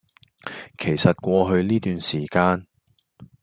其實過去呢段時間